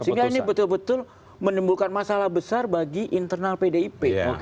sehingga ini betul betul menimbulkan masalah besar bagi internal pdip